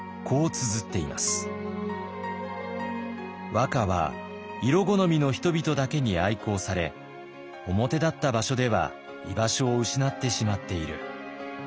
和歌は色好みの人々だけに愛好され表立った場所では居場所を失ってしまっている。